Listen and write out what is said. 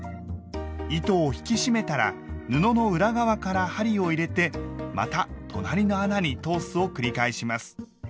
糸を引き締めたら布の裏側から針を入れてまた隣の穴に通すを繰り返します。